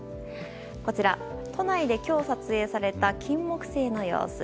こちら、都内で今日撮影されたキンモクセイの様子。